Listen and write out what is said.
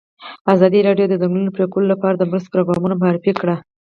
ازادي راډیو د د ځنګلونو پرېکول لپاره د مرستو پروګرامونه معرفي کړي.